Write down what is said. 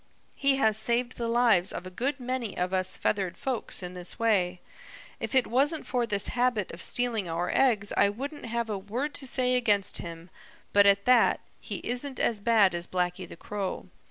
He has saved the lives of a good many of us feathered folks in this way. If it wasn't for this habit of stealing our eggs I wouldn't have a word to say against him, but at that, he isn't as bad as Blacky the Crow.